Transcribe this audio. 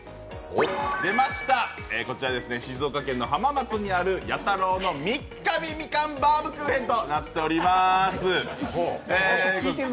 出ました、静岡県の浜松にあるヤタローの三ヶ日みかんバウムクーヘンとなっております。